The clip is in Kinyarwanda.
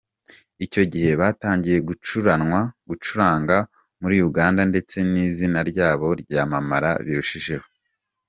Icyo gihe batangiye gucurangwa muri Uganda ndetse n’izina ryabo ryamamara birushijeho.